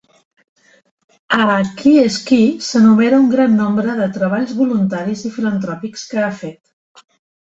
A "Qui és qui" s'enumera un gran nombre de treballs voluntaris i filantròpics que ha fet.